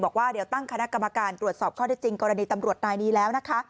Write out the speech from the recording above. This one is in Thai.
บอกว่าเดี๋ยวตั้งคณะกรรมการตรวจสอบข้อได้จริงกรณีตำรวจนายนี้แล้วนะคะ